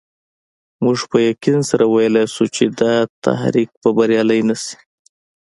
موږ په یقین سره ویلای شو چې دا تحریک به بریالی نه شي.